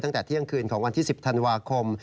ตั้งแต่เที่ยงคืนของวันที่๑๐ธันวาคม